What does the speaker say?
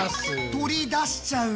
取り出しちゃうんだ。